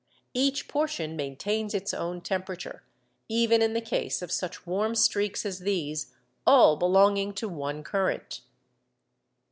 Each portion maintains its own temperature, even in the case of such warm streaks as these, all belonging to one current.